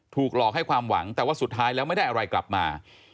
หลอกให้ความหวังแต่ว่าสุดท้ายแล้วไม่ได้อะไรกลับมา